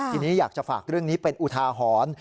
ทีนี้อยากจะฝากเรื่องนี้เป็นอุทาหรณ์